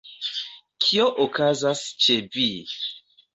Kio okazas ĉe vi?